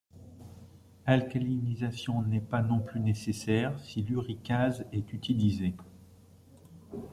Alcalinisation n'est pas non plus nécessaire si l'uricase est utilisé.